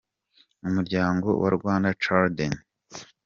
umuryango Rwanda Children.